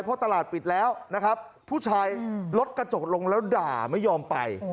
เพราะตลาดปิดแล้วนะครับผู้ชายลดกระจกลงแล้วด่าไม่ยอมไป